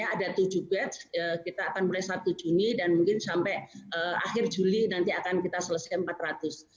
jadi sekitar tujuh test kita akan mulai dari satu juni sampai akhir juli nanti akan kita selesai empat ratus test